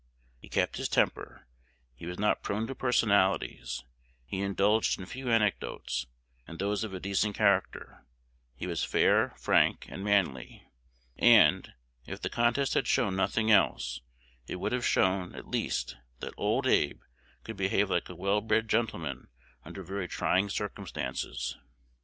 He kept his temper; he was not prone to personalities; he indulged in few anecdotes, and those of a decent character; he was fair, frank, and manly; and, if the contest had shown nothing else, it would have shown, at least, that "Old Abe" could behave like a well bred gentleman under very trying circumstances.